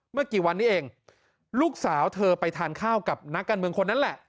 เมื่อกี่วันนี้เองลูกสาวเธอไปทานข้าวกับนักการเมืองคนนั้นแหละ